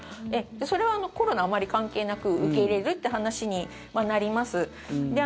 それはコロナあまり関係なく受け入れるって話になります。